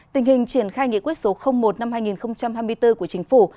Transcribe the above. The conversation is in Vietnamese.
tình hình triển khai nghị quyết số một năm hai nghìn hai mươi bốn của chính phủ